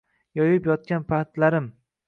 Yoyib yotgan kaptarim.